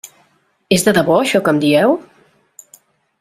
És de debò això que em dieu?